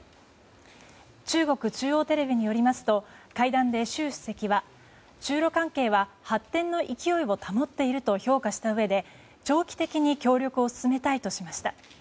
中国中央テレビによりますと会談で習主席は中露関係は発展の勢いを保っていると評価したうえで長期的に協力を進めたいとしました。